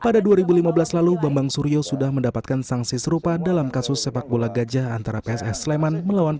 pada dua ribu lima belas lalu bambang suryo sudah mendapatkan sanksi serupa dalam kasus sepak bola gajah antara pss sleman melawan